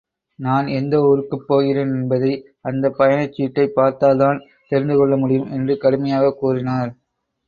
நான் எந்த ஊருக்குப் போகிறேன் என்பதை அந்தப் பயணச்சீட்டைப் பார்த்தால்தான் தெரிந்துகொள்ள முடியும் என்று கடுமையாகக் கூறினார்.